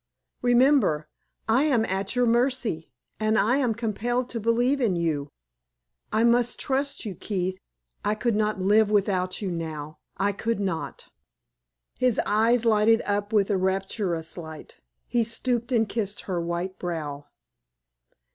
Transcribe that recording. Remember, I am at your mercy, and I am compelled to believe in you. I must trust you, Keith; I could not live without you now I could not!" His eyes lighted up with a rapturous light; he stooped and kissed her white brow.